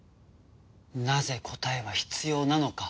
なぜ答えが必要なのか？